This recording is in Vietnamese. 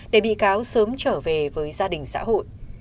để bị cáo sớm trở về với gia đình xã hội